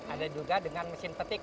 ada juga dengan mesin petik